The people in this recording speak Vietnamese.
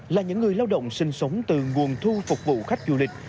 là những người lao động sinh sống từ nguồn thu phục vụ khách du lịch